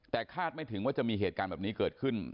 แต่คาดไม่ถึงว่าจะมีเหตุการณ์แบบนี้เกิดขึ้น